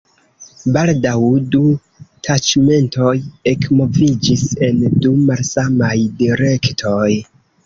Baldaŭ du taĉmentoj ekmoviĝis en du malsamaj direktoj.